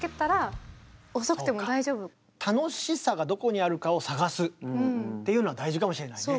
だから楽しさがどこにあるかを探すっていうのは大事かもしれないね。